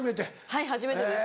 はい初めてです。